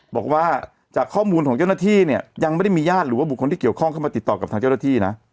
บอกว่าจากข้อมูลของเจ้าหน้าที่เนี่ยยังไม่ได้มีญาติหรือว่าบุคคลที่เกี่ยวข้องเข้ามาติดต่อกับทางเจ้าหน้าที่นะ